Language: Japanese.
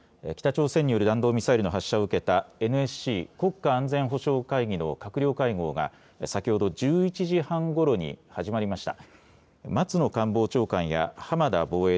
北朝鮮による弾道ミサイルの発射を受けたＮＳＣ・国家安全保障会議の閣僚会合がが先ほど１１時半ごろに始まりました。